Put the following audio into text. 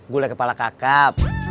gue le kepala kakap